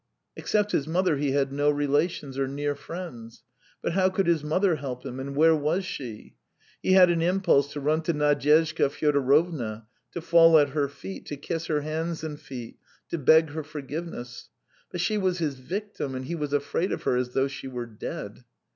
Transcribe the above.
Except his mother, he had no relations or near friends; but how could his mother help him? And where was she? He had an impulse to run to Nadyezhda Fyodorovna, to fall at her feet, to kiss her hands and feet, to beg her forgiveness; but she was his victim, and he was afraid of her as though she were dead.